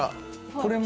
これも。